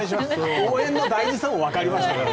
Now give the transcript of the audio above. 応援の大事さもわかりましたから。